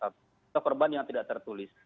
atau korban yang tidak tertulis